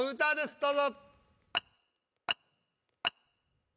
どうぞ。